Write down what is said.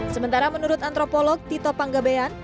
sementara menurut antropolog tito panggabean